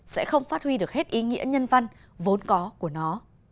sẽ không phát huy được hết ý nghĩa nhân văn vốn có của nó